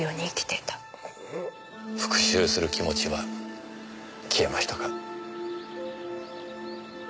復讐する気持ちは消えましたか？